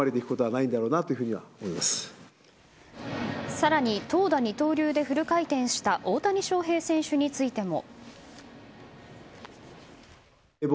更に投打二刀流でフル回転した大谷翔平選手についても。